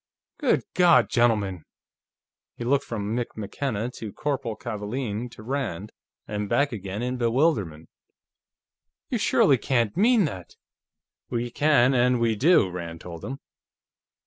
"Good God, gentlemen!" He looked from Mick McKenna to Corporal Kavaalen to Rand and back again in bewilderment. "You surely can't mean that!" "We can and we do," Rand told him.